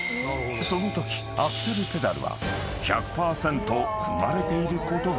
［そのときアクセルペダルは１００％踏まれていることが分かる］